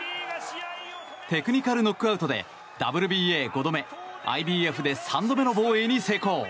テクニカルノックアウトでＷＢＡ５度目、ＩＢＦで３度目の防衛に成功。